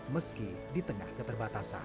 meski di tengah keterbatasan